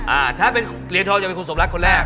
อ่าถ้าเป็นเหรียญทองจะเป็นคนสมรักคนแรก